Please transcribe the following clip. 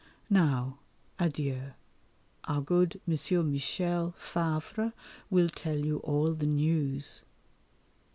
Now, adieu. Our good M. Michel (Favre) will tell you all the news.